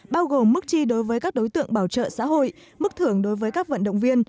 bao gồm mức chi đối với các đối tượng bảo trợ xã hội mức thưởng đối với các vận động viên